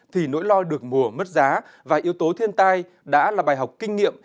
thì nỗi lo được mùa mất giá và yếu tố thiên tai đã là bài học kinh nghiệm